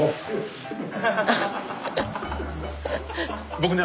僕ね